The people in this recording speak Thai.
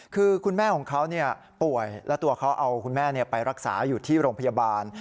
คือคุณแม่ของเขาป่วยแล้วตัวเขาเอาคุณแม่ไปรักษาอยู่ที่โรงพยาบาล